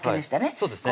そうですね